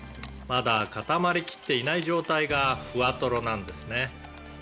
「まだ固まりきっていない状態がふわトロなんですね」